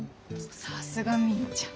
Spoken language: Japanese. さすがみーちゃん。